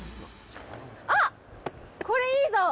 あっ、これ、いいぞ。